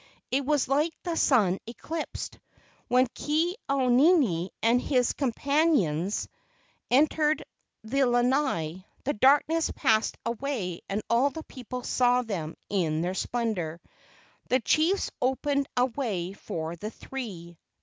It was like the sun eclipsed. When Ke au nini and his companions A YOUNG CHIEF OF HAWAII KE AU NINI 189 entered the lanai, the darkness passed away and all the people saw them in their splendor. The chiefs opened a way for the three.